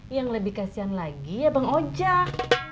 yang lebih kasian lagi ya bang ojek